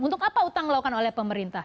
untuk apa utang dilakukan oleh pemerintah